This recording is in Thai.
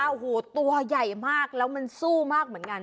โอ้โหตัวใหญ่มากแล้วมันสู้มากเหมือนกัน